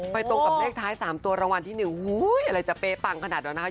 ตรงกับเลขท้าย๓ตัวรางวัลที่๑อะไรจะเป๊ปังขนาดนั้นนะคะ